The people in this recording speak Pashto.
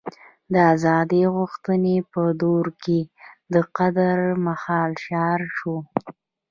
د ازادۍ غوښتنې په دور کې د قدرت مهار شعار شو.